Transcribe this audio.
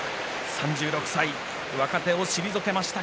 ３６歳、若手を退けました。